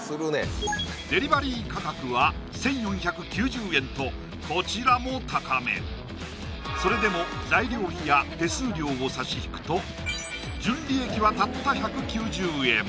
デリバリー価格は１４９０円とこちらも高めそれでも材料費や手数料を差し引くと純利益はたった１９０円